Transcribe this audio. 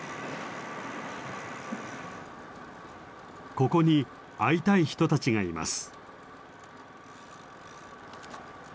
ここに会いたい人たちがいます。